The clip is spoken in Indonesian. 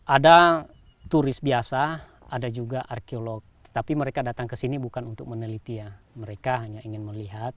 ada turis biasa ada juga arkeolog tapi mereka datang ke sini bukan untuk meneliti ya mereka hanya ingin melihat